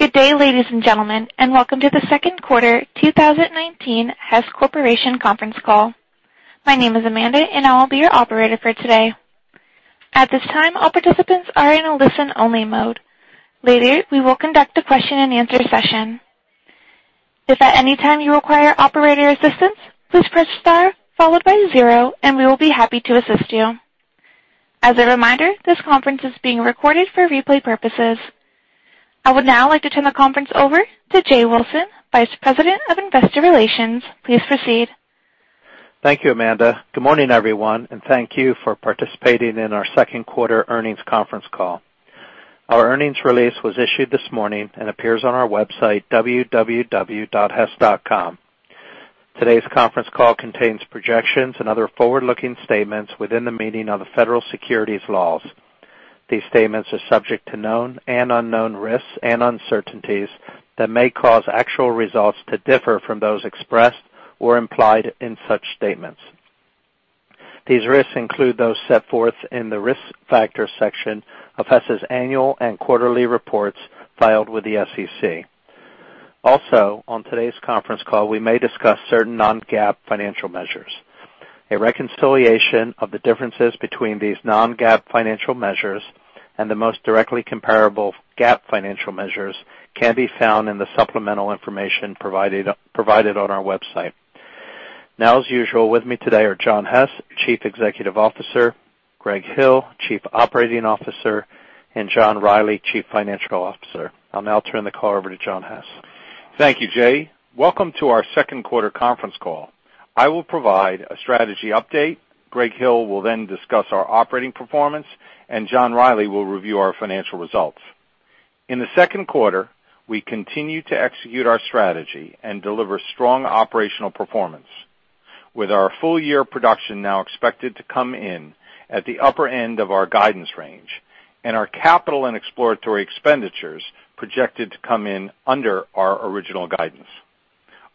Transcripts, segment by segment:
Good day, ladies and gentlemen, and welcome to the second quarter 2019 Hess Corporation conference call. My name is Amanda, and I will be your operator for today. At this time, all participants are in a listen-only mode. Later, we will conduct a question-and-answer session. If at any time you require operator assistance, please press star followed by zero and we will be happy to assist you. As a reminder, this conference is being recorded for replay purposes. I would now like to turn the conference over to Jay Wilson, Vice President of Investor Relations. Please proceed. Thank you, Amanda. Good morning, everyone, and thank you for participating in our second quarter earnings conference call. Our earnings release was issued this morning and appears on our website, www.hess.com. Today's conference call contains projections and other forward-looking statements within the meaning of the federal securities laws. These statements are subject to known and unknown risks and uncertainties that may cause actual results to differ from those expressed or implied in such statements. These risks include those set forth in the Risk Factors section of Hess' annual and quarterly reports filed with the SEC. Also, on today's conference call, we may discuss certain non-GAAP financial measures. A reconciliation of the differences between these non-GAAP financial measures and the most directly comparable GAAP financial measures can be found in the supplemental information provided on our website. As usual, with me today are John Hess, Chief Executive Officer, Greg Hill, Chief Operating Officer, and John Rielly, Chief Financial Officer. I'll now turn the call over to John Hess. Thank you, Jay. Welcome to our second quarter conference call. I will provide a strategy update, Greg Hill will then discuss our operating performance, and John Rielly will review our financial results. In the second quarter, we continued to execute our strategy and deliver strong operational performance, with our full year production now expected to come in at the upper end of our guidance range and our capital and exploratory expenditures projected to come in under our original guidance.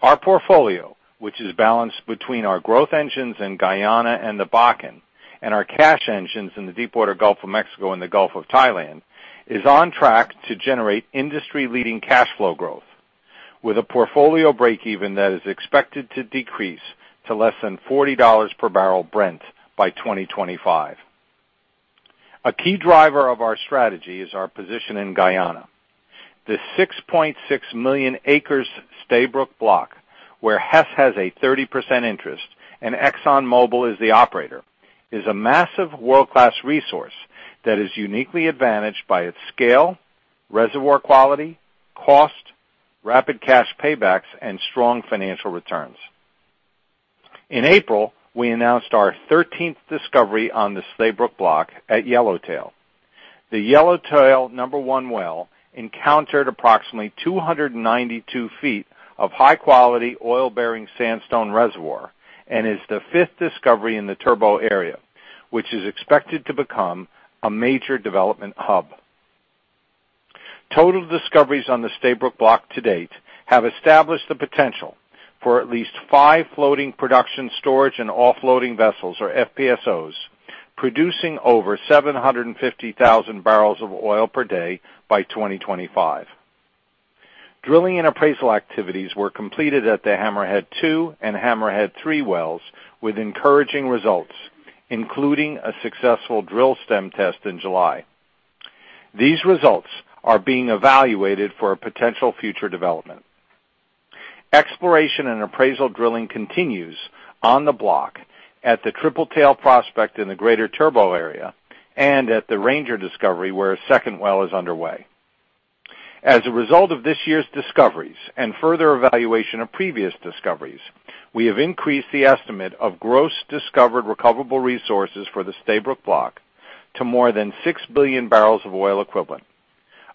Our portfolio, which is balanced between our growth engines in Guyana and the Bakken and our cash engines in the Deepwater Gulf of Mexico and the Gulf of Thailand, is on track to generate industry-leading cash flow growth with a portfolio breakeven that is expected to decrease to less than $40 per barrel Brent by 2025. A key driver of our strategy is our position in Guyana. The 6.6 million acres Stabroek Block, where Hess has a 30% interest and ExxonMobil is the operator, is a massive world-class resource that is uniquely advantaged by its scale, reservoir quality, cost, rapid cash paybacks, and strong financial returns. In April, we announced our 13th discovery on the Stabroek Block at Yellowtail. The Yellowtail-1 well encountered approximately 292 ft of high-quality oil-bearing sandstone reservoir and is the fifth discovery in the Turbot area, which is expected to become a major development hub. Total discoveries on the Stabroek Block to date have established the potential for at least five floating production storage and offloading vessels, or FPSOs, producing over 750,000 bbl of oil per day by 2025. Drilling and appraisal activities were completed at the Hammerhead-2 and Hammerhead-3 wells with encouraging results, including a successful drill stem test in July. These results are being evaluated for a potential future development. Exploration and appraisal drilling continues on the block at the Tripletail prospect in the greater Turbot area and at the Ranger discovery, where a second well is underway. As a result of this year's discoveries and further evaluation of previous discoveries, we have increased the estimate of gross discovered recoverable resources for the Stabroek Block to more than 6 billion barrels of oil equivalent,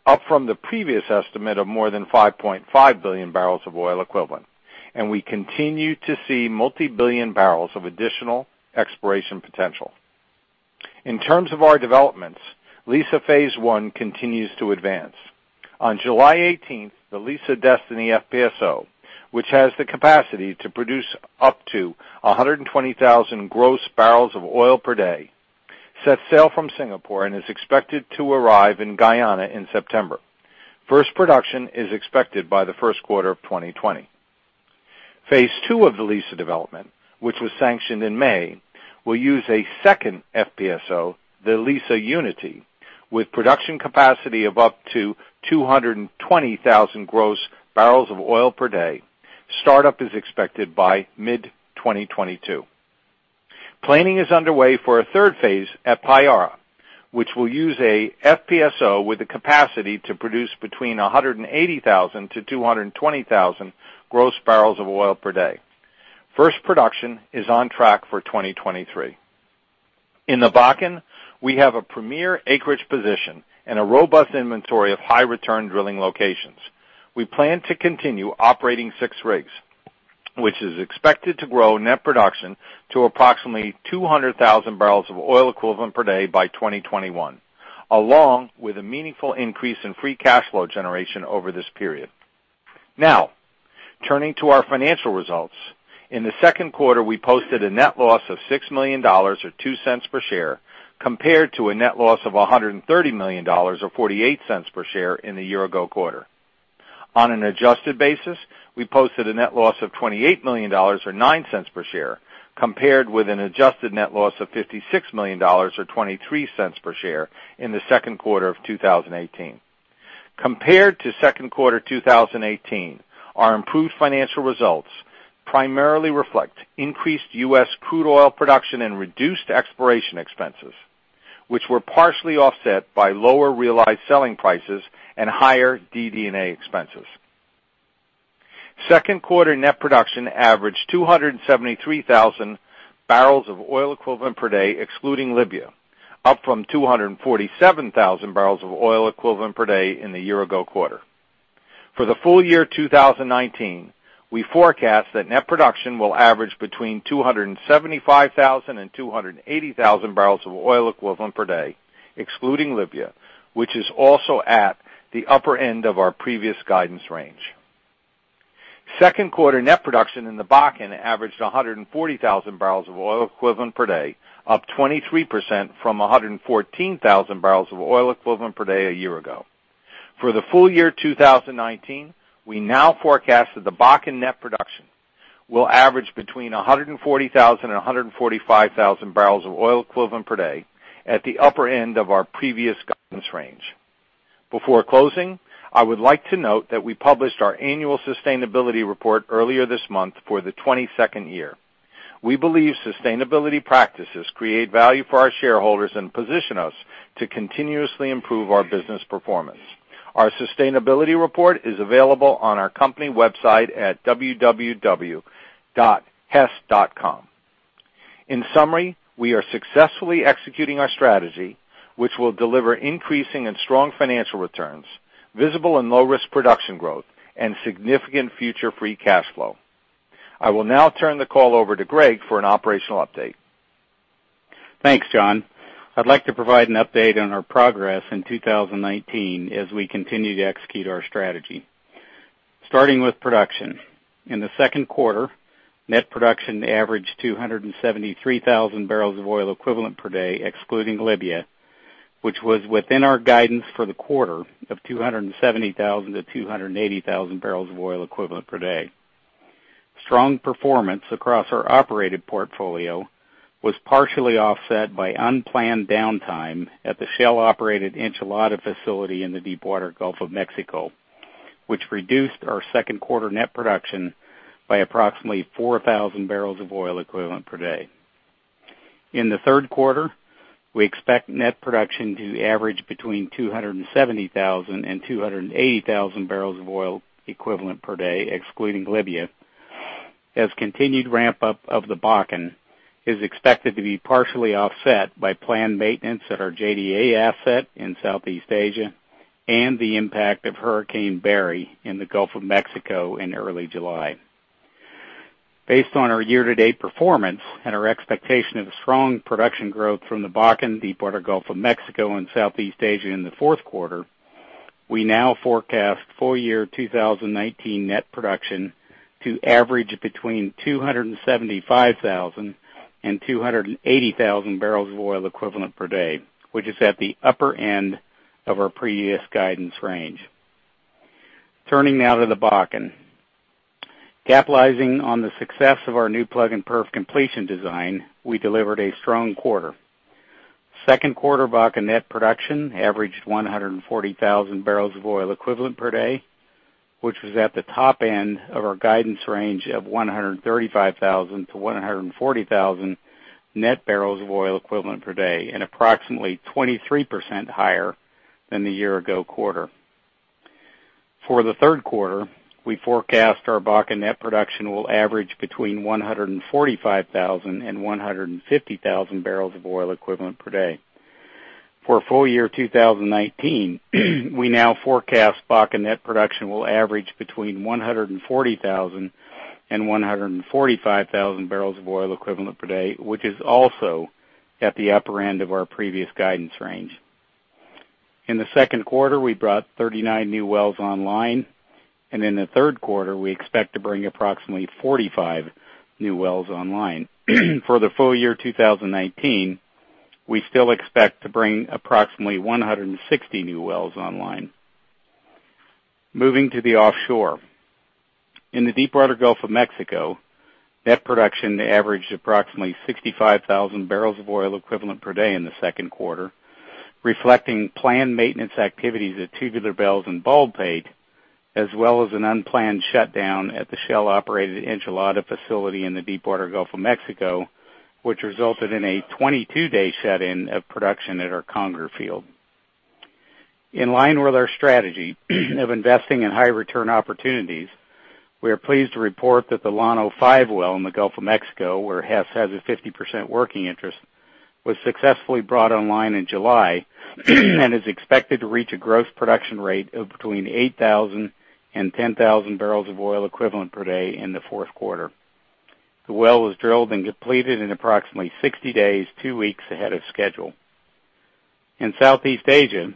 up from the previous estimate of more than 5.5 billion barrels of oil equivalent, and we continue to see multi-billion barrels of additional exploration potential. In terms of our developments, Liza Phase 1 continues to advance. On July 18th, the Liza Destiny FPSO, which has the capacity to produce up to 120,000 gross barrels of oil per day, set sail from Singapore and is expected to arrive in Guyana in September. First production is expected by the first quarter of 2020. Phase 2 of the Liza development, which was sanctioned in May, will use a second FPSO, the Liza Unity, with production capacity of up to 220,000 gross barrels of oil per day. Startup is expected by mid-2022. Planning is underway for a third phase at Payara, which will use a FPSO with the capacity to produce between 180,000-220,000 gross barrels of oil per day. First production is on track for 2023. In the Bakken, we have a premier acreage position and a robust inventory of high return drilling locations. We plan to continue operating six rigs, which is expected to grow net production to approximately 200,000 bbl of oil equivalent per day by 2021, along with a meaningful increase in free cash flow generation over this period. Now, turning to our financial results. In the second quarter, we posted a net loss of $6 million, or $0.02 per share, compared to a net loss of $130 million, or $0.48 per share, in the year-ago quarter. On an adjusted basis, we posted a net loss of $28 million, or $0.09 per share, compared with an adjusted net loss of $56 million, or $0.23 per share, in the second quarter of 2018. Compared to second quarter 2018, our improved financial results primarily reflect increased U.S. crude oil production and reduced exploration expenses, which were partially offset by lower realized selling prices and higher DD&A expenses. Second quarter net production averaged 273,000 bbl of oil equivalent per day, excluding Libya, up from 247,000 bbl of oil equivalent per day in the year-ago quarter. For the full year 2019, we forecast that net production will average between 275,000 and 280,000 bbl of oil equivalent per day, excluding Libya, which is also at the upper end of our previous guidance range. Second quarter net production in the Bakken averaged 140,000 bbl of oil equivalent per day, up 23% from 114,000 bbl of oil equivalent per day a year ago. For the full year 2019, we now forecast that the Bakken net production will average between 140,000 and 145,000 bbl of oil equivalent per day at the upper end of our previous guidance range. Before closing, I would like to note that we published our annual sustainability report earlier this month for the 22nd year. We believe sustainability practices create value for our shareholders and position us to continuously improve our business performance. Our sustainability report is available on our company website at www.hess.com. In summary, we are successfully executing our strategy, which will deliver increasing and strong financial returns, visible and low-risk production growth, and significant future free cash flow. I will now turn the call over to Greg for an operational update. Thanks, John. I'd like to provide an update on our progress in 2019 as we continue to execute our strategy. Starting with production. In the second quarter, net production averaged 273,000 bbl of oil equivalent per day, excluding Libya, which was within our guidance for the quarter of 270,000-280,000 bbl of oil equivalent per day. Strong performance across our operated portfolio was partially offset by unplanned downtime at the Shell-operated Enchilada facility in the Deepwater Gulf of Mexico, which reduced our second quarter net production by approximately 4,000 bbl of oil equivalent per day. In the third quarter, we expect net production to average between 270,000 and 280,000 bbl of oil equivalent per day, excluding Libya, as continued ramp-up of the Bakken is expected to be partially offset by planned maintenance at our JDA asset in Southeast Asia and the impact of Hurricane Barry in the Gulf of Mexico in early July. Based on our year-to-date performance and our expectation of strong production growth from the Bakken Deepwater Gulf of Mexico and Southeast Asia in the fourth quarter, we now forecast full-year 2019 net production to average between 275,000 and 280,000 bbl of oil equivalent per day, which is at the upper end of our previous guidance range. Turning now to the Bakken. Capitalizing on the success of our new plug and perf completion design, we delivered a strong quarter. Second quarter Bakken net production averaged 140,000 bbl of oil equivalent per day, which was at the top end of our guidance range of 135,000-140,000 net barrels of oil equivalent per day and approximately 23% higher than the year-ago quarter. For the third quarter, we forecast our Bakken net production will average between 145,000 and 150,000 bbl of oil equivalent per day. For full year 2019, we now forecast Bakken net production will average between 140,000 and 145,000 bbl of oil equivalent per day, which is also at the upper end of our previous guidance range. In the second quarter, we brought 39 new wells online, and in the third quarter, we expect to bring approximately 45 new wells online. For the full year 2019, we still expect to bring approximately 160 new wells online. Moving to the offshore. In the Deepwater Gulf of Mexico, net production averaged approximately 65,000 bbl of oil equivalent per day in the second quarter, reflecting planned maintenance activities at Tubular Bells and Baldpate, as well as an unplanned shutdown at the Shell-operated Enchilada facility in the Deepwater Gulf of Mexico, which resulted in a 22-day shut-in of production at our Conger field. In line with our strategy of investing in high return opportunities, we are pleased to report that the Llano five well in the Gulf of Mexico, where Hess has a 50% working interest, was successfully brought online in July and is expected to reach a gross production rate of between 8,000 and 10,000 bbl of oil equivalent per day in the fourth quarter. The well was drilled and completed in approximately 60 days, two weeks ahead of schedule. In Southeast Asia,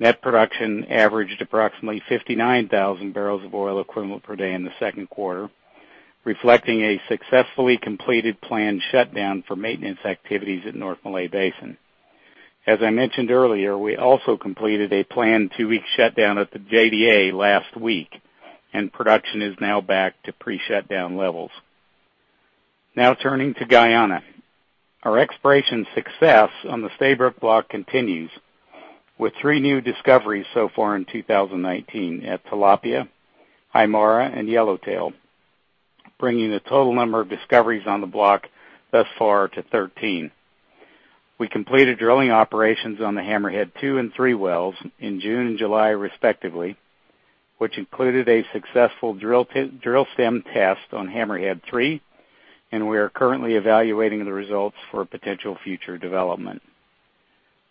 net production averaged approximately 59,000 bbl of oil equivalent per day in the second quarter, reflecting a successfully completed planned shutdown for maintenance activities at North Malay Basin. As I mentioned earlier, we also completed a planned two-week shutdown at the JDA last week, and production is now back to pre-shutdown levels. Now turning to Guyana. Our exploration success on the Stabroek Block continues with three new discoveries so far in 2019 at Tilapia, Haimara, and Yellowtail, bringing the total number of discoveries on the block thus far to 13. We completed drilling operations on the Hammerhead-2 and Hammerhead-3 wells in June and July respectively, which included a successful drill stem test on Hammerhead-3, and we are currently evaluating the results for potential future development.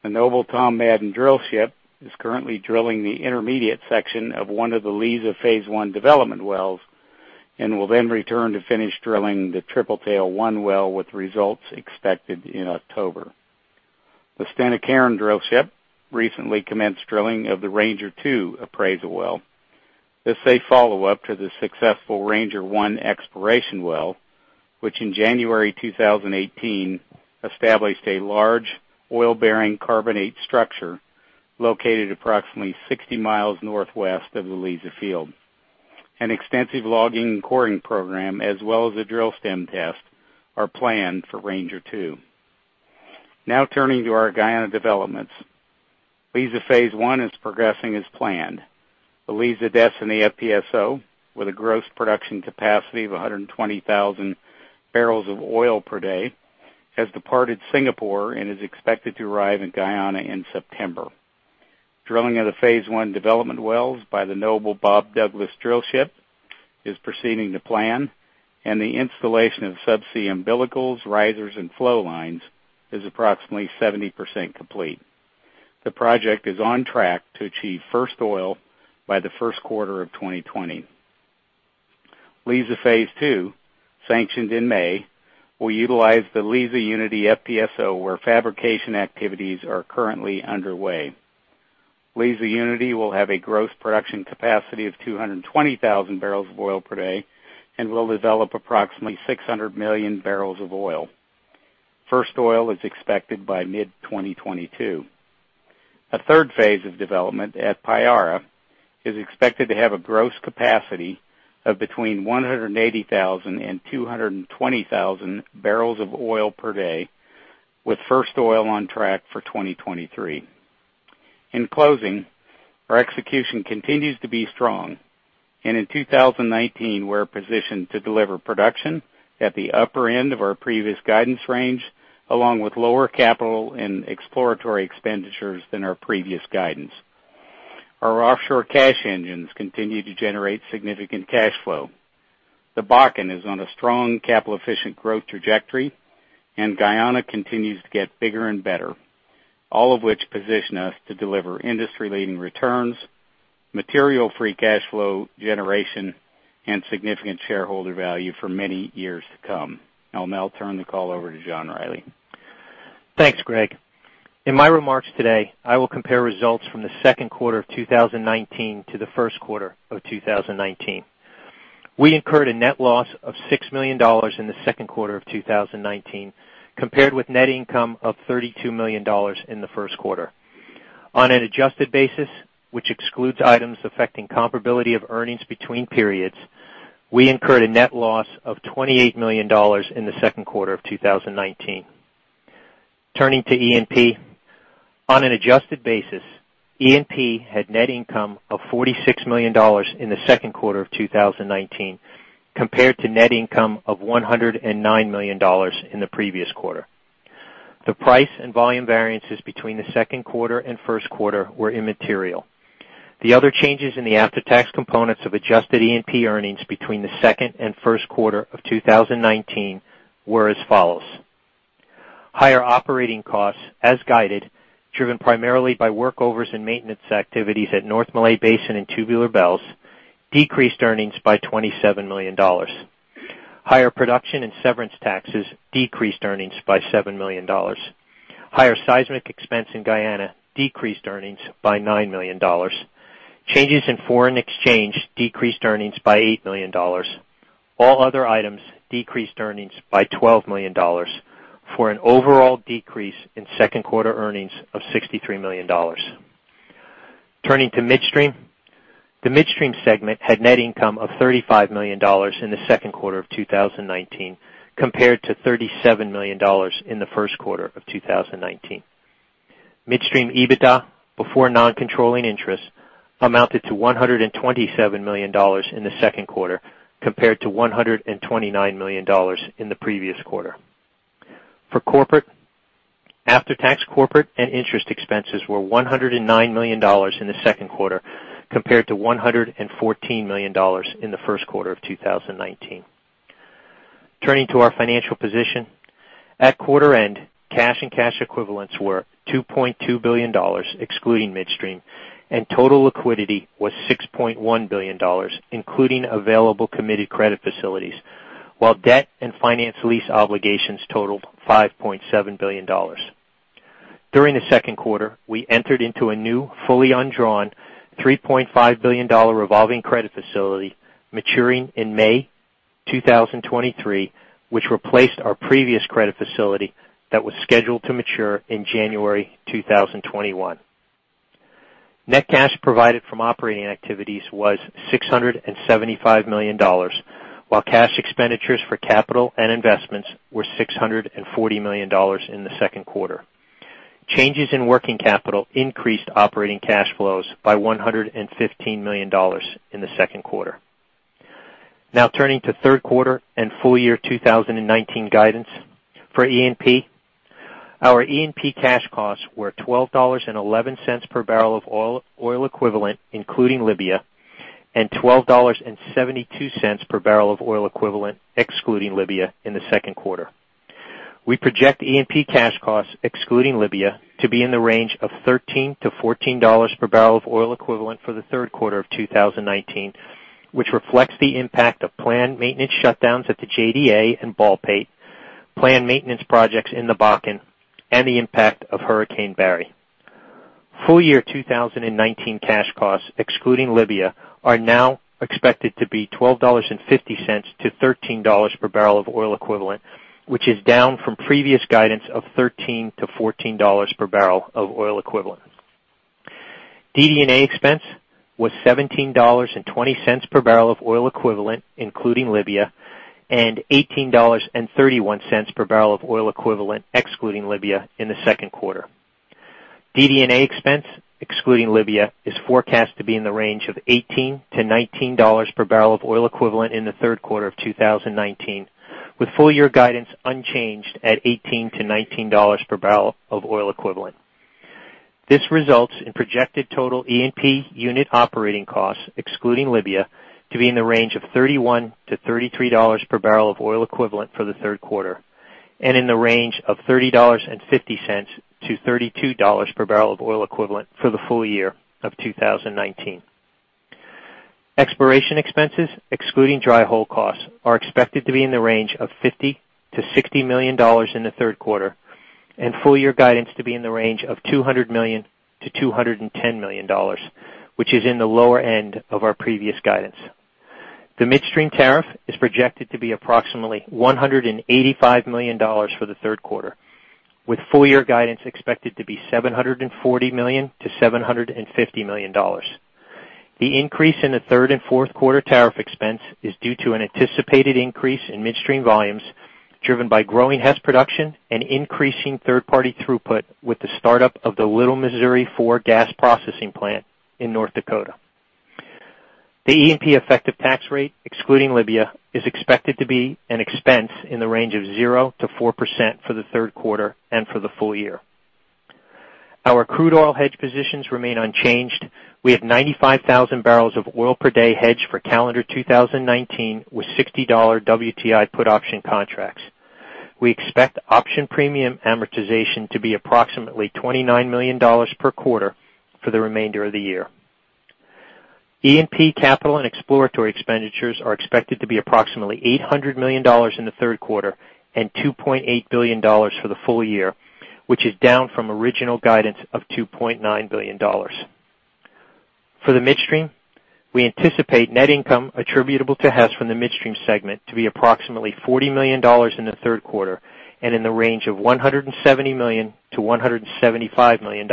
The Noble Tom Madden drillship is currently drilling the intermediate section of one of the Liza Phase 1 development wells and will then return to finish drilling the Tripletail-1 well, with results expected in October. The Stena Carron drillship recently commenced drilling of the Ranger-2 appraisal well. This is a follow-up to the successful Ranger-1 exploration well, which in January 2018 established a large oil-bearing carbonate structure located approximately 60 mi northwest of the Liza Field. An extensive logging and coring program, as well as a drill stem test, are planned for Ranger-2. Turning to our Guyana developments. Liza Phase 1 is progressing as planned. The Liza Destiny FPSO, with a gross production capacity of 120,000 bbl of oil per day, has departed Singapore and is expected to arrive in Guyana in September. Drilling of the Phase 1 development wells by the Noble Bob Douglas drillship is proceeding to plan, and the installation of subsea umbilicals, risers, and flow lines is approximately 70% complete. The project is on track to achieve first oil by the first quarter of 2020. Liza Phase 2, sanctioned in May, will utilize the Liza Unity FPSO, where fabrication activities are currently underway. Liza Unity will have a gross production capacity of 220,000 bbl of oil per day and will develop approximately 600 million barrels of oil. First oil is expected by mid-2022. A third phase of development at Payara is expected to have a gross capacity of between 180,000 and 220,000 bbl of oil per day, with first oil on track for 2023. In closing, our execution continues to be strong. In 2019, we're positioned to deliver production at the upper end of our previous guidance range, along with lower capital and exploratory expenditures than our previous guidance. Our offshore cash engines continue to generate significant cash flow. The Bakken is on a strong capital efficient growth trajectory, and Guyana continues to get bigger and better, all of which position us to deliver industry-leading returns, material free cash flow generation, and significant shareholder value for many years to come. I'll now turn the call over to John Rielly. Thanks, Greg. In my remarks today, I will compare results from the second quarter of 2019 to the first quarter of 2019. We incurred a net loss of $6 million in the second quarter of 2019, compared with net income of $32 million in the first quarter. On an adjusted basis, which excludes items affecting comparability of earnings between periods, we incurred a net loss of $28 million in the second quarter of 2019. Turning to E&P. On an adjusted basis, E&P had net income of $46 million in the second quarter of 2019, compared to net income of $109 million in the previous quarter. The price and volume variances between the second quarter and first quarter were immaterial. The other changes in the after-tax components of adjusted E&P earnings between the second and first quarter of 2019 were as follows. Higher operating costs, as guided, driven primarily by workovers and maintenance activities at North Malay Basin and Tubular Bells, decreased earnings by $27 million. Higher production and severance taxes decreased earnings by $7 million. Higher seismic expense in Guyana decreased earnings by $9 million. Changes in foreign exchange decreased earnings by $8 million. All other items decreased earnings by $12 million for an overall decrease in second quarter earnings of $63 million. Turning to Midstream. The Midstream segment had net income of $35 million in the second quarter of 2019, compared to $37 million in the first quarter of 2019. Midstream EBITDA before non-controlling interest amounted to $127 million in the second quarter, compared to $129 million in the previous quarter. For Corporate, after-tax Corporate and interest expenses were $109 million in the second quarter, compared to $114 million in the first quarter of 2019. Turning to our financial position. At quarter end, cash and cash equivalents were $2.2 billion, excluding Midstream, and total liquidity was $6.1 billion, including available committed credit facilities. Debt and finance lease obligations totaled $5.7 billion. During the second quarter, we entered into a new fully undrawn $3.5 billion revolving credit facility maturing in May 2023, which replaced our previous credit facility that was scheduled to mature in January 2021. Net cash provided from operating activities was $675 million, while cash expenditures for capital and investments were $640 million in the second quarter. Changes in working capital increased operating cash flows by $115 million in the second quarter. Now turning to third quarter and full year 2019 guidance for E&P. Our E&P cash costs were $12.11 per barrel of oil equivalent, including Libya, and $12.72 per barrel of oil equivalent excluding Libya in the second quarter. We project E&P cash costs, excluding Libya, to be in the range of $13-$14 per barrel of oil equivalent for the third quarter of 2019, which reflects the impact of planned maintenance shutdowns at the JDA and Baldpate, planned maintenance projects in the Bakken, and the impact of Hurricane Barry. Full year 2019 cash costs, excluding Libya, are now expected to be $12.50-$13 per barrel of oil equivalent, which is down from previous guidance of $13-$14 per barrel of oil equivalent. DD&A expense was $17.20 per barrel of oil equivalent, including Libya, and $18.31 per barrel of oil equivalent excluding Libya in the second quarter. DD&A expense, excluding Libya, is forecast to be in the range of $18-$19 per barrel of oil equivalent in the third quarter of 2019, with full year guidance unchanged at $18-$19 per barrel of oil equivalent. This results in projected total E&P unit operating costs, excluding Libya, to be in the range of $31-$33 per barrel of oil equivalent for the third quarter, and in the range of $30.50-$32 per barrel of oil equivalent for the full year of 2019. Exploration expenses, excluding dry hole costs, are expected to be in the range of $50 million-$60 million in the third quarter, and full year guidance to be in the range of $200 million-$210 million, which is in the lower end of our previous guidance. The Midstream tariff is projected to be approximately $185 million for the third quarter, with full year guidance expected to be $740 million-$750 million. The increase in the third and fourth quarter tariff expense is due to an anticipated increase in Midstream volumes, driven by growing Hess production and increasing third-party throughput with the start-up of the Little Missouri IV gas processing plant in North Dakota. The E&P effective tax rate, excluding Libya, is expected to be an expense in the range of 0%-4% for the third quarter and for the full year. Our crude oil hedge positions remain unchanged. We have 95,000 bbl of oil per day hedged for calendar 2019 with $60 WTI put option contracts. We expect option premium amortization to be approximately $29 million per quarter for the remainder of the year. E&P capital and exploratory expenditures are expected to be approximately $800 million in the third quarter, and $2.8 billion for the full year, which is down from original guidance of $2.9 billion. For the Midstream, we anticipate net income attributable to Hess from the Midstream segment to be approximately $40 million in the third quarter, and in the range of $170 million-$175 million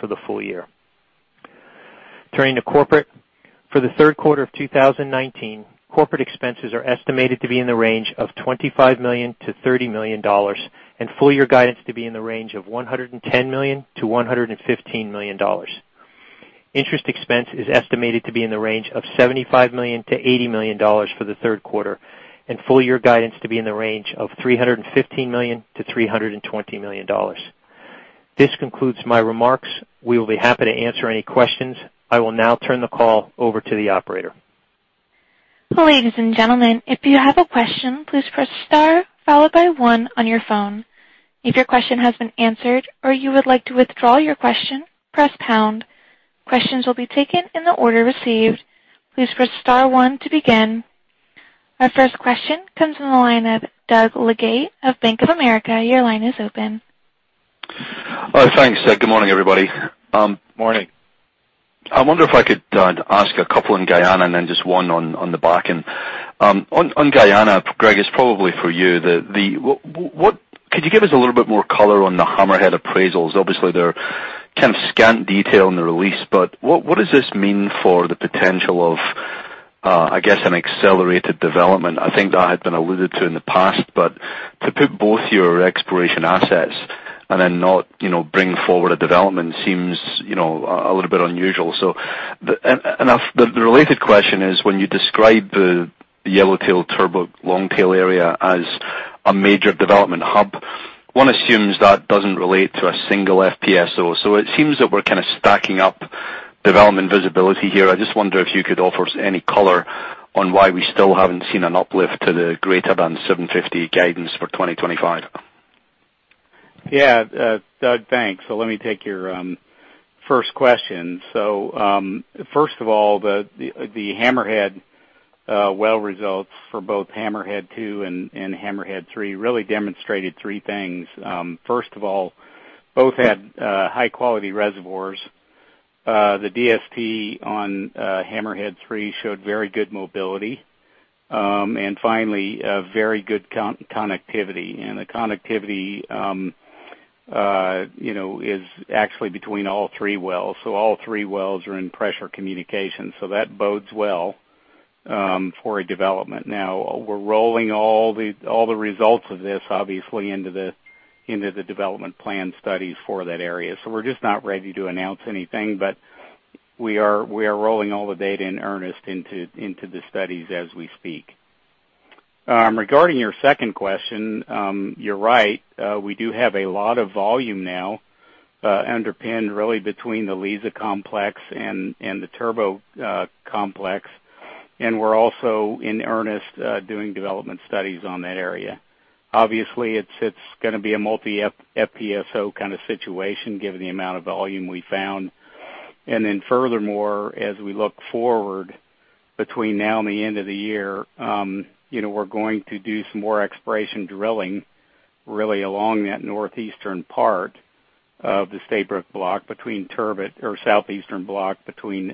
for the full year. Turning to Corporate. For the third quarter of 2019, Corporate expenses are estimated to be in the range of $25 million-$30 million, and full year guidance to be in the range of $110 million-$115 million. Interest expense is estimated to be in the range of $75 million-$80 million for the third quarter, and full year guidance to be in the range of $315 million-$320 million. This concludes my remarks. We will be happy to answer any questions. I will now turn the call over to the operator. Ladies and gentlemen, if you have a question, please press star followed by one on your phone. If your question has been answered or you would like to withdraw your question, press pound. Questions will be taken in the order received. Please press star one to begin. Our first question comes from the line of Doug Leggate of Bank of America. Your line is open. Thanks. Good morning, everybody. Morning. I wonder if I could ask a couple on Guyana and then just one on the Bakken. On Guyana, Greg, it's probably for you. Could you give us a little bit more color on the Hammerhead appraisals? Obviously, they're scant detail in the release, but what does this mean for the potential of an accelerated development? I think that had been alluded to in the past, but to put both your exploration assets and then not bring forward a development seems a little bit unusual. The related question is, when you describe the Yellowtail-Turbot-Longtail area as a major development hub, one assumes that doesn't relate to a single FPSO. It seems that we're kind of stacking up development visibility here. I just wonder if you could offer us any color on why we still haven't seen an uplift to the greater than 750,000 bbl guidance for 2025. Yeah. Doug, thanks. Let me take your first question. First of all, the Hammerhead well results for both Hammerhead-2 and Hammerhead-3 really demonstrated three things. First of all, both had high-quality reservoirs. The DST on Hammerhead-3 showed very good mobility, and finally, very good connectivity. The connectivity is actually between all three wells. All three wells are in pressure communication, so that bodes well for a development. Now we're rolling all the results of this, obviously into the development plan studies for that area. We're just not ready to announce anything, but we are rolling all the data in earnest into the studies as we speak. Regarding your second question, you're right, we do have a lot of volume now, underpinned really between the Liza complex and the Turbot complex, and we're also in earnest doing development studies on that area. Obviously, it's going to be a multi FPSO kind of situation given the amount of volume we found. Furthermore, as we look forward between now and the end of the year, we're going to do some more exploration drilling really along that northeastern part of the Stabroek Block between Turbot or southeastern block between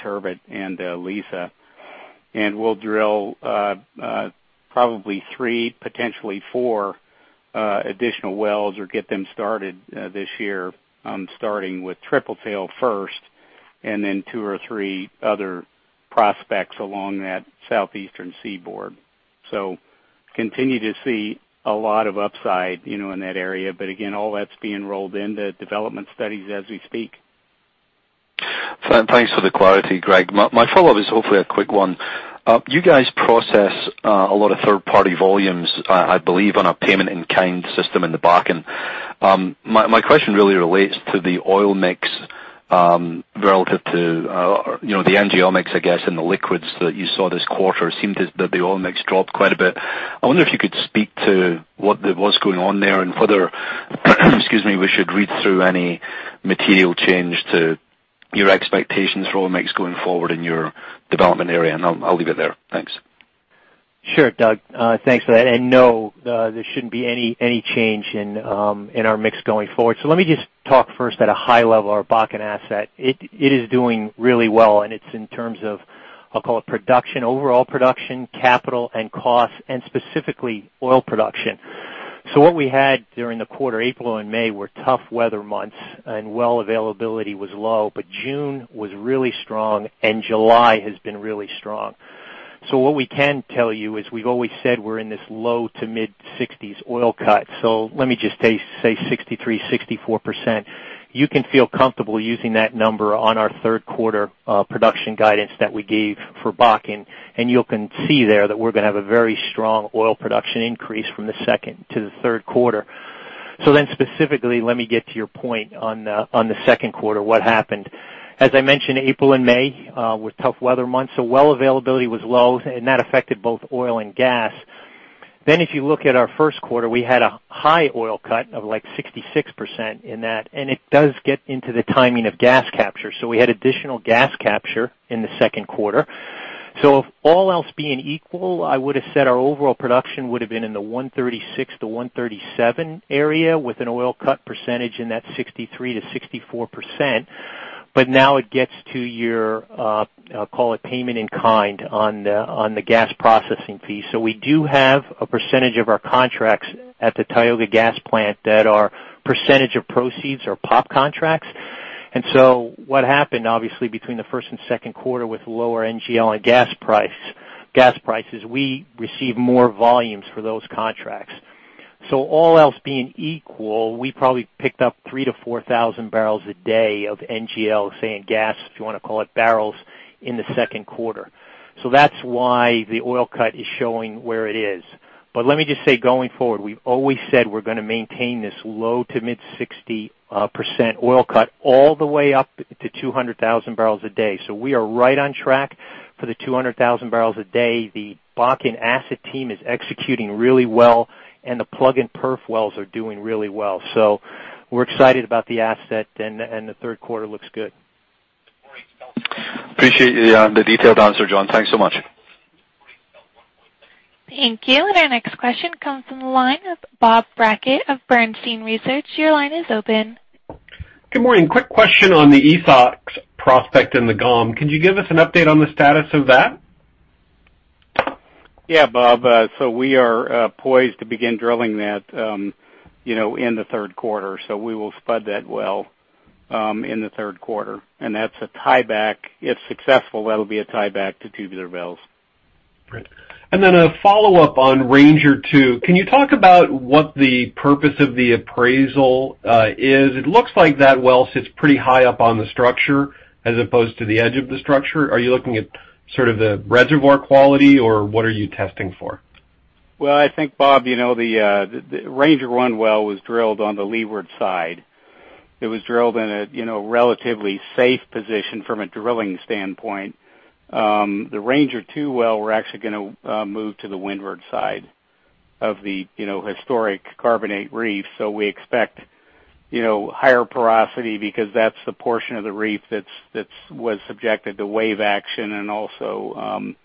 Turbot and Liza. We'll drill probably three, potentially four additional wells or get them started this year, starting with Tripletail first and then two or three other prospects along that southeastern seaboard. Continue to see a lot of upside in that area, but again, all that's being rolled into development studies as we speak. Thanks for the clarity, Greg. My follow-up is hopefully a quick one. You guys process a lot of third-party volumes, I believe, on a payment in kind system in the Bakken. My question really relates to the oil mix, relative to the NGL mix, I guess, and the liquids that you saw this quarter. It seemed as that the oil mix dropped quite a bit. I wonder if you could speak to what was going on there and whether we should read through any material change to your expectations for oil mix going forward in your development area. I'll leave it there. Thanks. Sure, Doug. Thanks for that. No, there shouldn't be any change in our mix going forward. Let me just talk first at a high level, our Bakken asset. It is doing really well, and it's in terms of, I'll call it production, overall production, capital, and cost, and specifically oil production. What we had during the quarter, April and May were tough weather months, and well availability was low, but June was really strong and July has been really strong. What we can tell you is we've always said we're in this low to mid-60s oil cut. Let me just say 63%, 64%. You can feel comfortable using that number on our third quarter production guidance that we gave for Bakken, and you can see there that we're going to have a very strong oil production increase from the second to the third quarter. Specifically, let me get to your point on the second quarter, what happened. As I mentioned, April and May were tough weather months, so well availability was low, and that affected both oil and gas. If you look at our first quarter, we had a high oil cut of like 66% in that, and it does get into the timing of gas capture. We had additional gas capture in the second quarter. If all else being equal, I would've said our overall production would've been in the 136-137 area with an oil cut percentage in that 63%-64%. Now it gets to your, I'll call it payment in kind on the gas processing piece. We do have a percentage of our contracts at the Tioga Gas Plant that are percentage of proceeds or POP contracts. What happened, obviously, between the first and second quarter with lower NGL and gas prices, we received more volumes for those contracts. All else being equal, we probably picked up 3,000-4,000 bbl a day of NGL, say, in gas, if you want to call it barrels, in the second quarter. That's why the oil cut is showing where it is. Let me just say, going forward, we've always said we're going to maintain this low to mid 60% oil cut all the way up to 200,000 bbl a day. We are right on track for the 200,000 bbl a day. The Bakken asset team is executing really well, and the plug and perf wells are doing really well. We're excited about the asset, and the third quarter looks good. Appreciate the detailed answer, John. Thanks so much. Thank you. Our next question comes from the line of Bob Brackett of Bernstein Research. Your line is open. Good morning. Quick question on the Esox prospect in the GOM. Could you give us an update on the status of that? Yeah, Bob. We are poised to begin drilling that in the third quarter. We will spud that well in the third quarter, and that's a tieback. If successful, that'll be a tieback to Tubular Bells. Great. A follow-up on Ranger-2. Can you talk about what the purpose of the appraisal is? It looks like that well sits pretty high up on the structure as opposed to the edge of the structure. Are you looking at sort of the reservoir quality, or what are you testing for? Well, I think Bob, the Ranger-1 well was drilled on the leeward side. It was drilled in a relatively safe position from a drilling standpoint. The Ranger-2 well, we're actually going to move to the windward side of the historic carbonate reef. We expect higher porosity because that's the portion of the reef that was subjected to wave action and also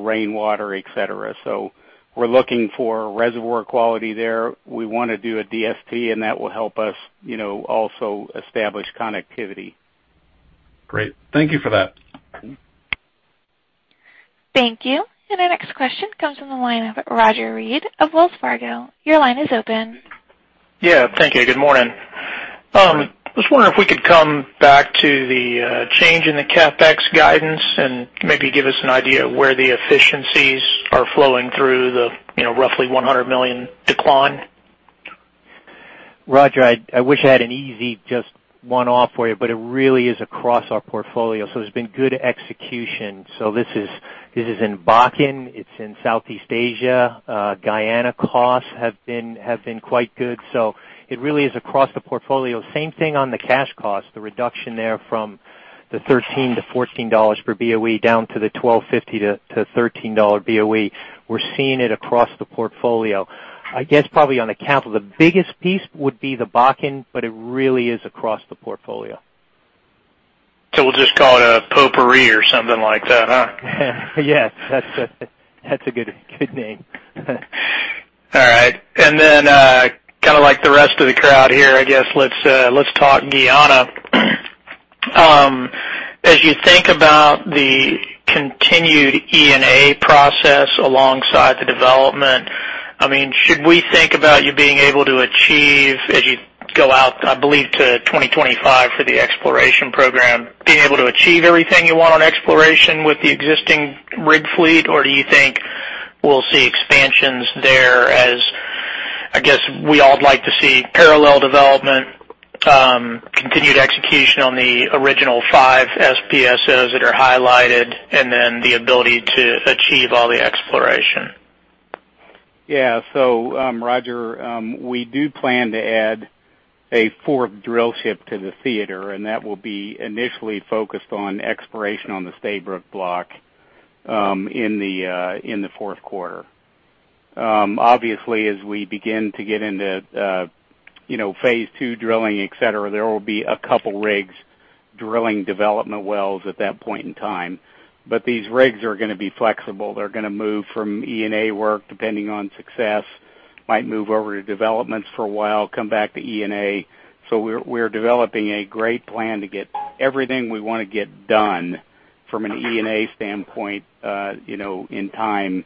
rainwater, et cetera. We're looking for reservoir quality there. We want to do a DST, and that will help us also establish connectivity. Great. Thank you for that. Thank you. Our next question comes from the line of Roger Read of Wells Fargo. Your line is open. Yeah, thank you. Good morning. I was wondering if we could come back to the change in the CapEx guidance and maybe give us an idea of where the efficiencies are flowing through the roughly $100 million decline. Roger, I wish I had an easy just one-off for you, but it really is across our portfolio. There's been good execution. This is in Bakken. It's in Southeast Asia. Guyana costs have been quite good. It really is across the portfolio. Same thing on the cash cost, the reduction there from the $13-$14 per BOE down to the $12.50-$13 BOE. We're seeing it across the portfolio. I guess probably on the capital, the biggest piece would be the Bakken, but it really is across the portfolio. We'll just call it a potpourri or something like that, huh? Yes. That's a good name. All right. Then, like the rest of the crowd here, I guess let's talk Guyana. As you think about the continued E&A process alongside the development, should we think about you being able to achieve, as you go out, I believe to 2025 for the exploration program, being able to achieve everything you want on exploration with the existing rig fleet? Do you think we'll see expansions there as, I guess we all would like to see parallel development, continued execution on the original five FPSOs that are highlighted, and then the ability to achieve all the exploration? Roger, we do plan to add a fourth drillship to the theater, and that will be initially focused on exploration on the Stabroek Block in the fourth quarter. Obviously, as we begin to get into Phase 2 drilling, et cetera, there will be a couple rigs drilling development wells at that point in time. These rigs are going to be flexible. They're going to move from E&A work, depending on success, might move over to developments for a while, come back to E&A. We're developing a great plan to get everything we want to get done from an E&A standpoint in time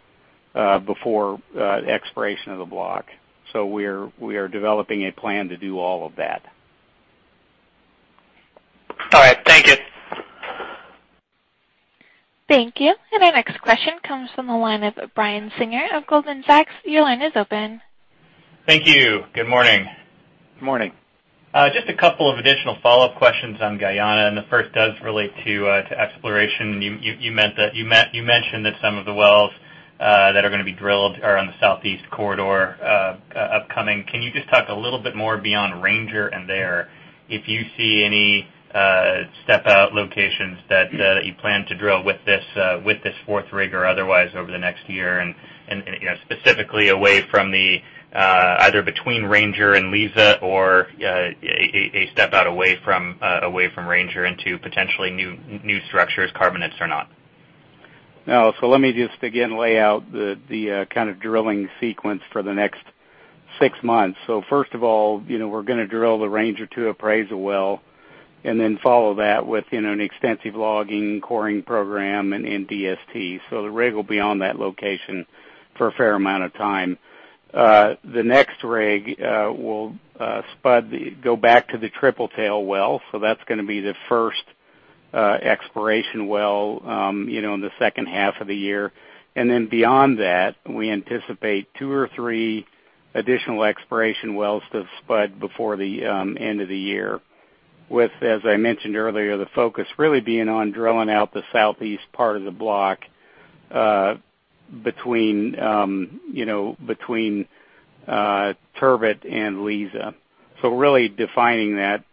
before expiration of the block. We are developing a plan to do all of that. All right. Thank you. Thank you. Our next question comes from the line of Brian Singer of Goldman Sachs. Your line is open. Thank you. Good morning. Good morning. Just a couple of additional follow-up questions on Guyana. The first does relate to exploration. You mentioned that some of the wells that are going to be drilled are on the southeast corridor upcoming. Can you just talk a little bit more beyond Ranger and there, if you see any step-out locations that you plan to drill with this fourth rig or otherwise over the next year, and specifically away from the either between Ranger and Liza or a step-out away from Ranger into potentially new structures, carbonates or not? Let me just again lay out the kind of drilling sequence for the next six months. First of all, we're going to drill the Ranger-2 appraisal well, and then follow that with an extensive logging, coring program, and DST. The rig will be on that location for a fair amount of time. The next rig will spud, go back to the Tripletail well. That's going to be the first exploration well in the second half of the year. Beyond that, we anticipate two or three additional exploration wells to spud before the end of the year with, as I mentioned earlier, the focus really being on drilling out the southeast part of the block between Turbot and Liza. Really defining that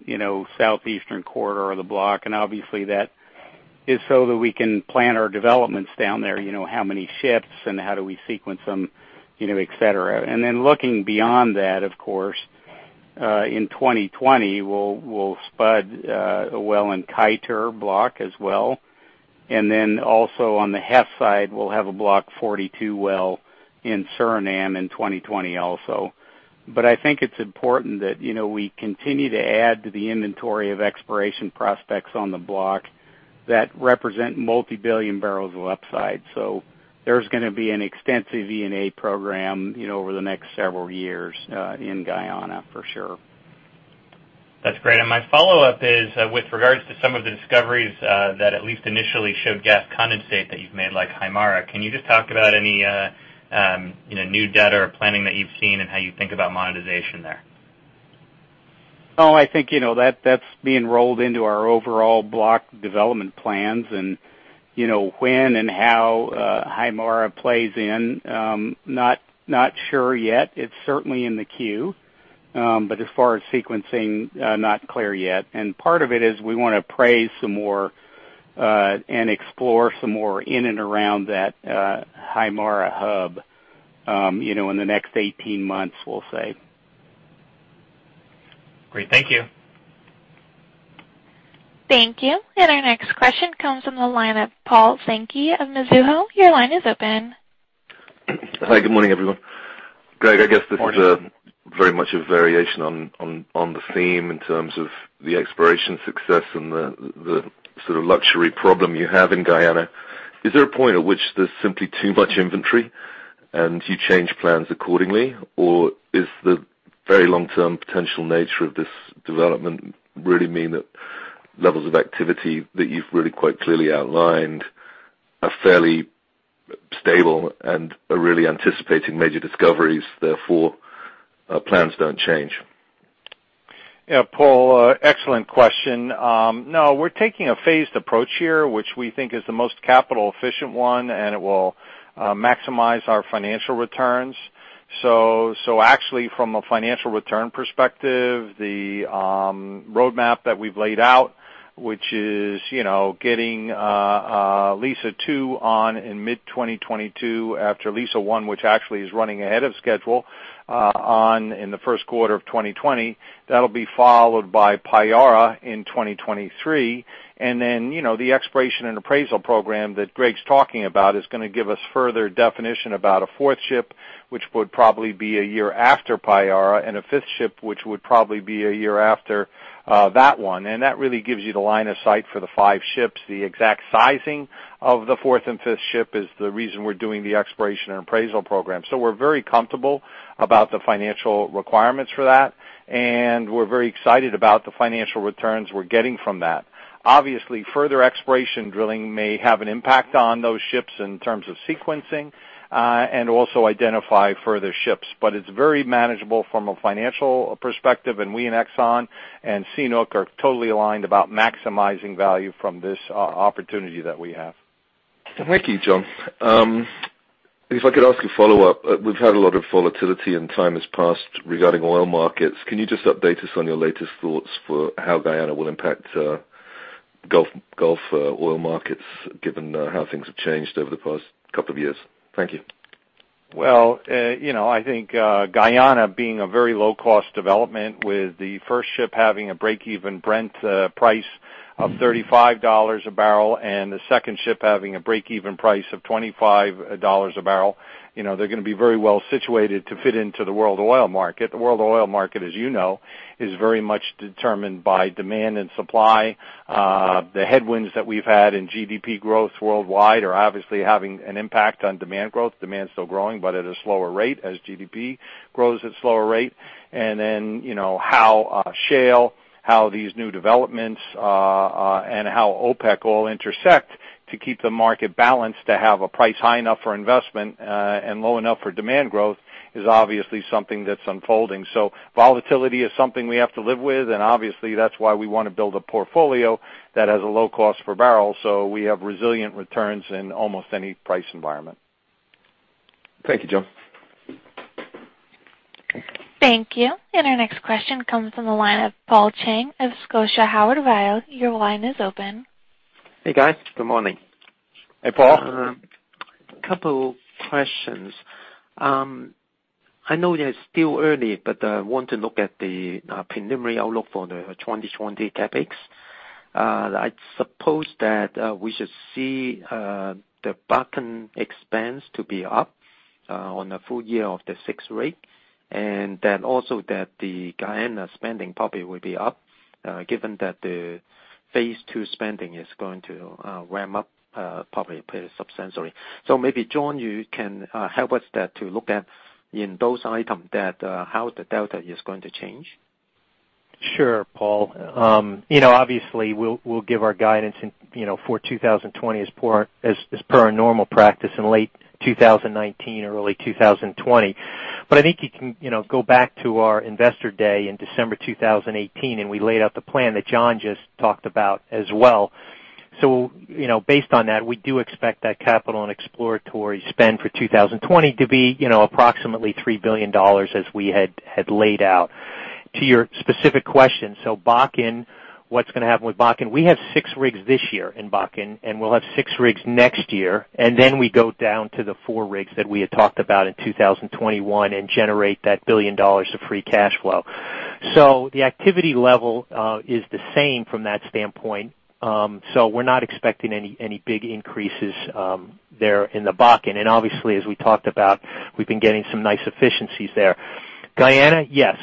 southeastern corridor of the block, and obviously that is so that we can plan our developments down there, how many ships and how do we sequence them, et cetera. Looking beyond that, of course, in 2020, we'll spud a well in Kaieteur block as well. Also on the Hess side, we'll have a Block 42 well in Suriname in 2020 also. I think it's important that we continue to add to the inventory of exploration prospects on the block that represent multi-billion barrels of upside. There's going to be an extensive E&A program over the next several years in Guyana, for sure. That's great. My follow-up is with regards to some of the discoveries that at least initially showed gas condensate that you've made, like Haimara. Can you just talk about any new data or planning that you've seen and how you think about monetization there? I think that's being rolled into our overall block development plans, and when and how Haimara plays in, not sure yet. It's certainly in the queue. As far as sequencing, not clear yet. Part of it is we want to appraise some more, and explore some more in and around that Haimara hub, in the next 18 months, we'll say. Great. Thank you. Thank you. Our next question comes from the line of Paul Sankey of Mizuho. Your line is open. Hi, good morning, everyone. Greg, I guess this is very much a variation on the theme in terms of the exploration success and the sort of luxury problem you have in Guyana. Is there a point at which there's simply too much inventory and you change plans accordingly, or is the very long-term potential nature of this development really mean that levels of activity that you've really quite clearly outlined are fairly stable and are really anticipating major discoveries, therefore, plans don't change? Yeah, Paul, excellent question. No, we're taking a phased approach here, which we think is the most capital efficient one, and it will maximize our financial returns. Actually from a financial return perspective, the roadmap that we've laid out, which is getting Liza-2 on in mid-2022 after Liza-1, which actually is running ahead of schedule, on in the first quarter of 2020. That'll be followed by Payara in 2023. Then, the exploration and appraisal program that Greg's talking about is going to give us further definition about a fourth ship, which would probably be a year after Payara, and a fifth ship, which would probably be a year after that one. That really gives you the line of sight for the five ships. The exact sizing of the fourth and fifth ship is the reason we're doing the exploration and appraisal program. We're very comfortable about the financial requirements for that, and we're very excited about the financial returns we're getting from that. Obviously, further exploration drilling may have an impact on those ships in terms of sequencing, and also identify further ships. It's very manageable from a financial perspective, and we and Exxon and CNOOC are totally aligned about maximizing value from this opportunity that we have. Thank you, John. If I could ask a follow-up. We've had a lot of volatility and time has passed regarding oil markets. Can you just update us on your latest thoughts for how Guyana will impact global oil markets given how things have changed over the past couple of years? Thank you. Well, I think Guyana being a very low-cost development with the first ship having a break-even Brent price of $35 a barrel, and the second ship having a break-even price of $25 a barrel, they're going to be very well situated to fit into the world oil market. The world oil market, as you know, is very much determined by demand and supply. The headwinds that we've had in GDP growth worldwide are obviously having an impact on demand growth. Demand's still growing, but at a slower rate as GDP grows at slower rate. How shale, how these new developments, and how OPEC all intersect to keep the market balanced to have a price high enough for investment, and low enough for demand growth is obviously something that's unfolding. Volatility is something we have to live with, and obviously that's why we want to build a portfolio that has a low cost per barrel, so we have resilient returns in almost any price environment. Thank you, John. Thank you. Our next question comes from the line of Paul Cheng of Scotia Howard Weil. Your line is open. Hey, guys. Good morning. Hey, Paul. Couple questions. I know that it's still early, but I want to look at the preliminary outlook for the 2020 CapEx. I suppose that we should see the Bakken expense to be up on the full year of the sixth rig, and then also that the Guyana spending probably will be up, given that the Phase 2 spending is going to ramp up probably substantially. Maybe, John, you can help us there to look at in those items that how the delta is going to change? Sure, Paul. Obviously, we'll give our guidance for 2020 as per our normal practice in late 2019, early 2020. I think you can go back to our Investor Day in December 2018, and we laid out the plan that John just talked about as well. Based on that, we do expect that capital and exploratory spend for 2020 to be approximately $3 billion as we had laid out. To your specific question, Bakken, what's going to happen with Bakken? We have six rigs this year in Bakken, and we'll have six rigs next year, and then we go down to the four rigs that we had talked about in 2021 and generate that $1 billion of free cash flow. The activity level is the same from that standpoint. We're not expecting any big increases there in the Bakken. As we talked about, we've been getting some nice efficiencies there. Guyana, yes.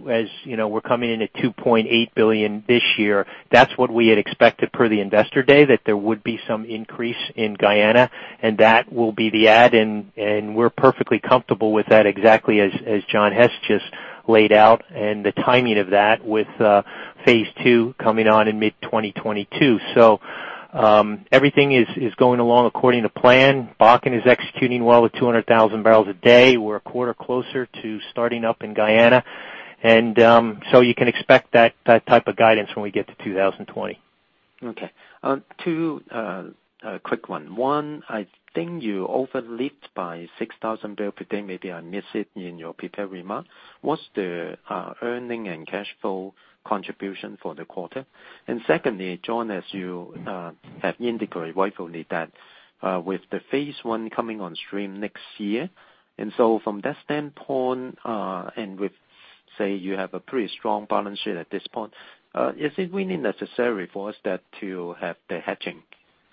We're coming in at $2.8 billion this year. That's what we had expected per the investor day, that there would be some increase in Guyana, and that will be the add in, and we're perfectly comfortable with that exactly as John Hess just laid out, and the timing of that with Phase 2 coming on in mid 2022. Everything is going along according to plan. Bakken is executing well with 200,000 bbl a day. We're a quarter closer to starting up in Guyana. You can expect that type of guidance when we get to 2020. Okay. Two quick one. One, I think you overlift by 6,000 bpd. Maybe I miss it in your prepared remarks. What's the earnings and cash flow contribution for the quarter? Secondly, John, as you have indicated rightfully that with the phase one coming on stream next year, from that standpoint, with say you have a pretty strong balance sheet at this point, is it really necessary for us that to have the hedging?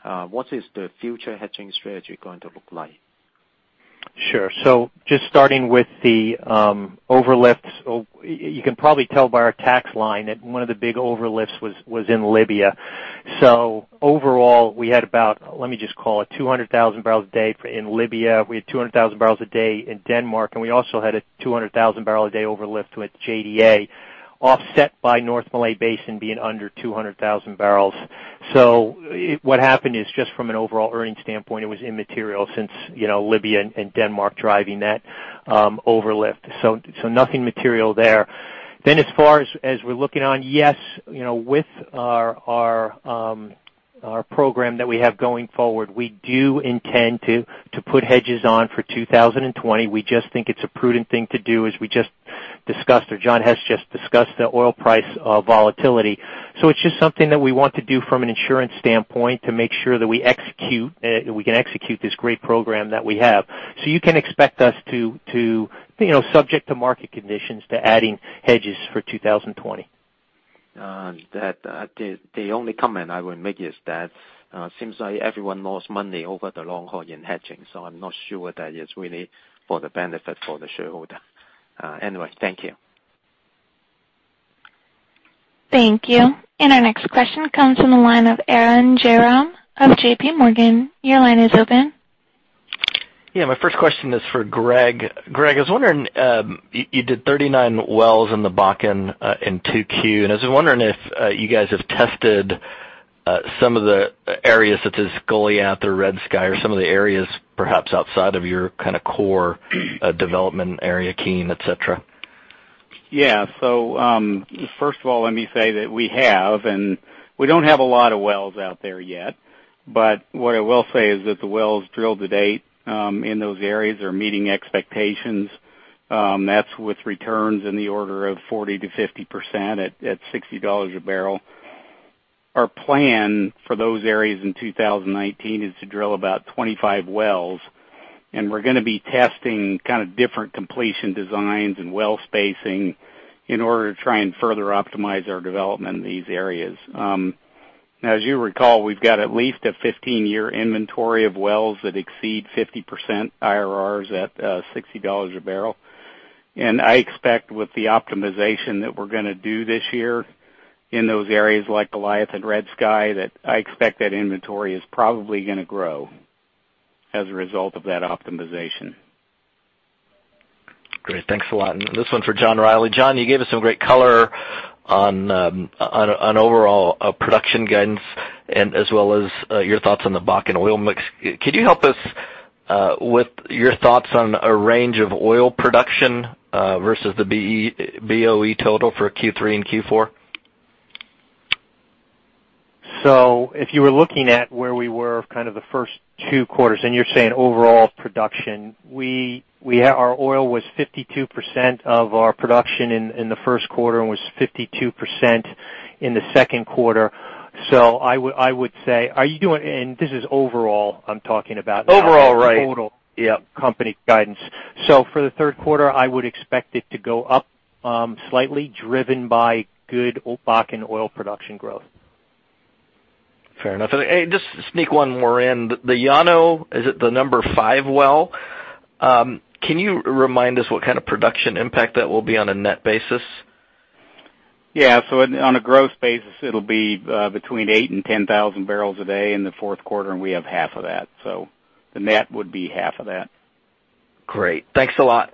What is the future hedging strategy going to look like? Sure. Just starting with the overlifts, you can probably tell by our tax line that one of the big overlifts was in Libya. Overall, we had about, let me just call it 200,000 bbl a day in Libya. We had 200,000 bbl a day in Denmark, and we also had a 200,000 bbl a day overlift with JDA, offset by North Malay Basin being under 200,000 bbl. What happened is just from an overall earnings standpoint, it was immaterial since Libya and Denmark driving that overlift. As far as we're looking on, yes, with our program that we have going forward, we do intend to put hedges on for 2020. We just think it's a prudent thing to do, as we just discussed, or John Hess just discussed the oil price volatility. It's just something that we want to do from an insurance standpoint to make sure that we can execute this great program that we have. You can expect us to, subject to market conditions, to adding hedges for 2020. The only comment I would make is that, seems like everyone lost money over the long haul in hedging, so I'm not sure that is really for the benefit for the shareholder. Thank you. Thank you. Our next question comes from the line of Arun Jayaram of JPMorgan. Your line is open. Yeah, my first question is for Greg. Greg, I was wondering, you did 39 wells in the Bakken in 2Q, and I was wondering if you guys have tested some of the areas such as Goliath or Red Sky or some of the areas perhaps outside of your core development area, Keene, et cetera. Yeah. First of all, let me say that we have, and we don't have a lot of wells out there yet, but what I will say is that the wells drilled to date, in those areas are meeting expectations. That's with returns in the order of 40%-50% at $60 a barrel. Our plan for those areas in 2019 is to drill about 25 wells. We're going to be testing different completion designs and well spacing in order to try and further optimize our development in these areas. As you recall, we've got at least a 15-year inventory of wells that exceed 50% IRRs at $60 a barrel. I expect with the optimization that we're going to do this year in those areas like Goliath and Red Sky, that I expect that inventory is probably going to grow as a result of that optimization. Great. Thanks a lot. This one's for John Rielly. John, you gave us some great color on overall production guidance and as well as your thoughts on the Bakken oil mix. Could you help us with your thoughts on a range of oil production versus the BOE total for Q3 and Q4? If you were looking at where we were the first two quarters, and you're saying overall production, our oil was 52% of our production in the first quarter and was 52% in the second quarter. This is overall, I'm talking about now. Overall, right. Total. Yeah. Company guidance. For the third quarter, I would expect it to go up slightly driven by good Bakken oil production growth. Fair enough. Just sneak one more in. The Llano, is it the number five well? Can you remind us what kind of production impact that will be on a net basis? Yeah. On a gross basis, it'll be between 8,000 and 10,000 bbl a day in the fourth quarter. We have half of that. The net would be half of that. Great. Thanks a lot.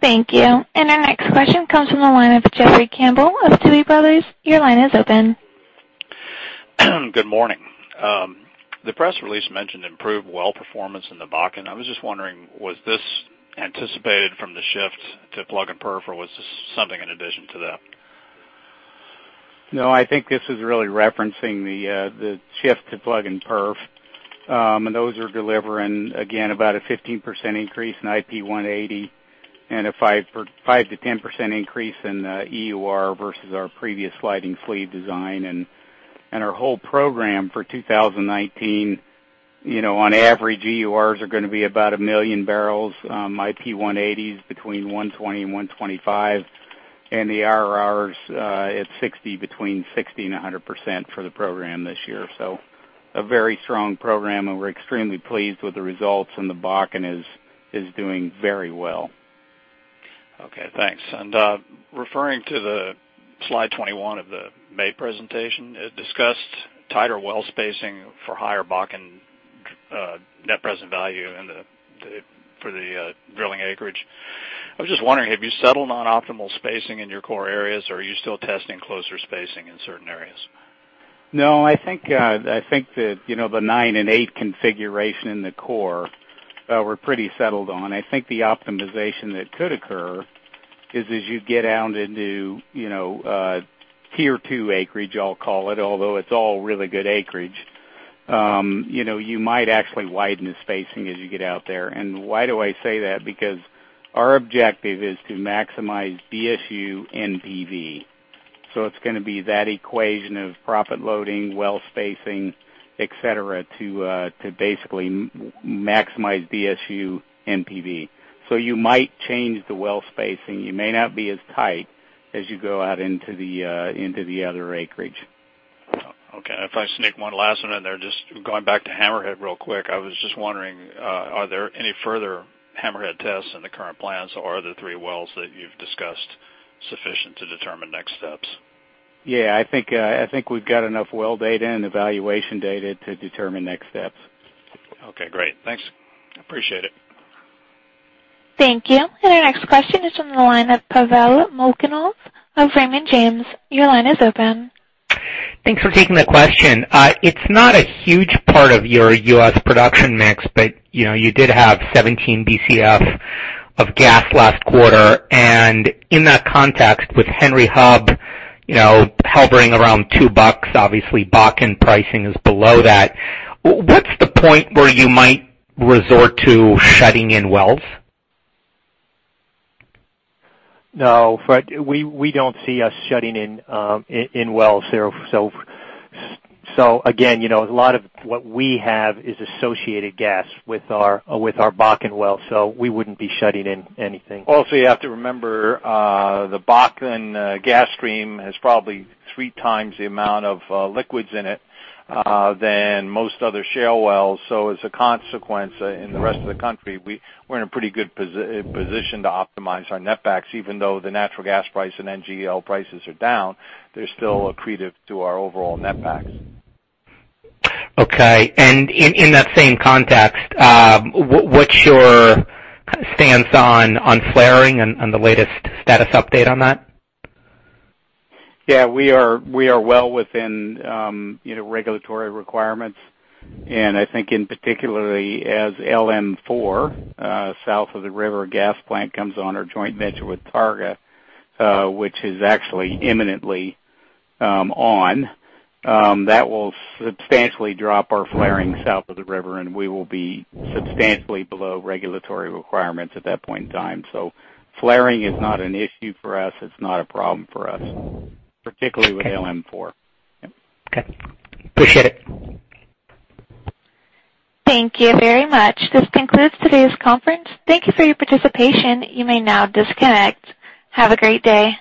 Thank you. Our next question comes from the line of Jeffrey Campbell of Tuohy Brothers. Your line is open. Good morning. The press release mentioned improved well performance in the Bakken. I was just wondering, was this anticipated from the shift to plug and perf, or was this something in addition to that? No, I think this is really referencing the shift to plug and perf. Those are delivering, again, about a 15% increase in IP 180 and a 5%-10% increase in EUR versus our previous sliding sleeve design. Our whole program for 2019, on average, EURs are going to be about 1 million barrels. IP 180 is between 120 and 125, the IRRs, between 60% and 100% for the program this year. A very strong program. We're extremely pleased with the results. The Bakken is doing very well. Okay, thanks. Referring to the slide 21 of the May presentation, it discussed tighter well spacing for higher Bakken net present value for the drilling acreage. I was just wondering, have you settled on optimal spacing in your core areas, or are you still testing closer spacing in certain areas? No, I think that the nine and eight configuration in the core we're pretty settled on. I think the optimization that could occur is as you get out into tier two acreage, I'll call it, although it's all really good acreage. You might actually widen the spacing as you get out there. Why do I say that? Because our objective is to maximize BSU NPV. It's going to be that equation of profit loading, well spacing, et cetera, to basically maximize BSU NPV. You might change the well spacing. You may not be as tight as you go out into the other acreage. Okay. If I sneak one last one in there, just going back to Hammerhead real quick, I was just wondering, are there any further Hammerhead tests in the current plans, or are the three wells that you've discussed sufficient to determine next steps? Yeah, I think we've got enough well data and evaluation data to determine next steps. Okay, great. Thanks. Appreciate it. Thank you. Our next question is from the line of Pavel Molchanov of Raymond James. Your line is open. Thanks for taking the question. It's not a huge part of your U.S. production mix, but you did have 17 BCF of gas last quarter. In that context, with Henry Hub hovering around $2, obviously Bakken pricing is below that. What's the point where you might resort to shutting in wells? No. We don't see us shutting in wells there. Again, a lot of what we have is associated gas with our Bakken well, so we wouldn't be shutting in anything. You have to remember, the Bakken gas stream has probably three times the amount of liquids in it than most other shale wells. As a consequence, in the rest of the country, we're in a pretty good position to optimize our netbacks. Even though the natural gas price and NGL prices are down, they're still accretive to our overall netbacks. Okay. In that same context, what's your stance on flaring and the latest status update on that? Yeah, we are well within regulatory requirements, and I think in particular as LM4, south of the river gas plant comes on our joint venture with Targa, which is actually imminently on. That will substantially drop our flaring south of the river, and we will be substantially below regulatory requirements at that point in time. Flaring is not an issue for us. It's not a problem for us, particularly with LM4. Okay. Appreciate it. Thank you very much. This concludes today's conference. Thank you for your participation. You may now disconnect. Have a great day.